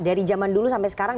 dari zaman dulu sampai sekarang